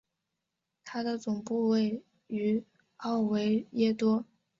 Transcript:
它的总部位于奥维耶多。